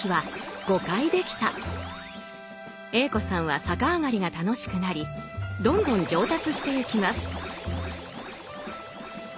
Ａ子さんは逆上がりが楽しくなりどんどん上達してゆきます。